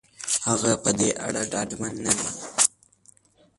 هغه په دې اړه ډاډمن نه دی.